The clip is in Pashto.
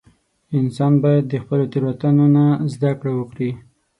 • انسان باید د خپلو تېروتنو نه زده کړه وکړي.